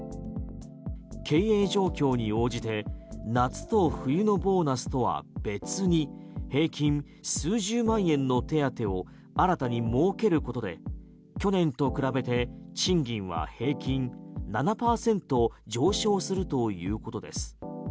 経営状況に応じて夏と冬のボーナスとは別に平均数十万円の手当を新たに設けることで去年と比べて賃金は平均７％上昇するということです。